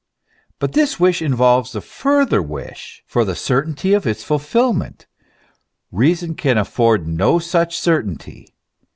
But this wish involves the further wish for the certainty of its fulfilment. Reason can afford no such certainty.